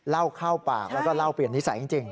เล่าเข้าปากแล้วก็เล่าเปลี่ยนนิสัยจริง